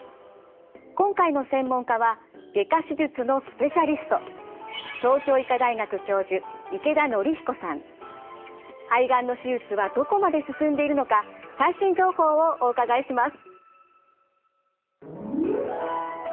今回の専門家は外科手術のスペシャリスト肺がんの手術はどこまで進んでいるのか最新情報をお伺いします。